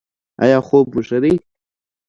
ایا خوب مو ښه دی؟